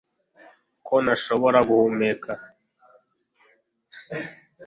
Ko ntashobora guhumeka